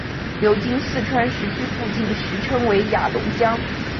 流经四川石渠附近时称为雅砻江。